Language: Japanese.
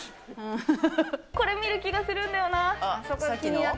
これ、見る気がするんだよなさっきの？